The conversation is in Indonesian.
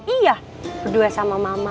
iya berdua sama mama